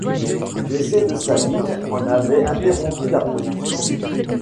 Le décès de Sabine en avait interrompu la production.